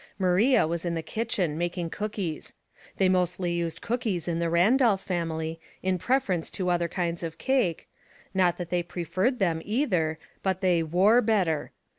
Maria was in the kitchen, making cookies. They mostly used cookies in the Randolph family, in preference to other kinds of cake ; not that they preferred them either, but they wore better.